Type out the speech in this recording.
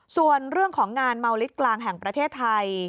ส่วนเรื่องของงานเมาลิสต์กลางแห่งประเทศไทย